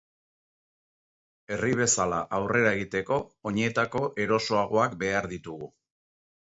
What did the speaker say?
Herri bezala aurrera egiteko, oinetako erosoagoak behar ditugu.